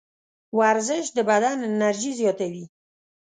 ورزش د بدن انرژي زیاتوي.